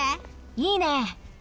いいね。